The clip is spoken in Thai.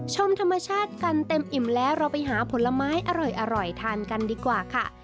ชมธรรมชาติกันเต็มอิ่มแล้วเราไปหาผลไม้อร่อยทานกันดีกว่าค่ะ